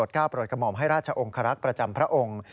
ก้าวโปรดกระหม่อมให้ราชองครักษ์ประจำพระองค์